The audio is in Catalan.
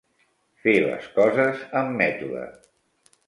Fer les coses amb mètode.